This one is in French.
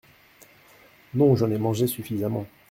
Non, j’en ai mangé suffisamment.